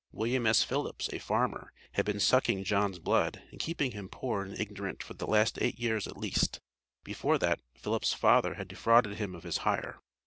William S. Phillips, a farmer, had been "sucking" John's blood, and keeping him poor and ignorant for the last eight years at least; before that, Phillips' father had defrauded him of his hire.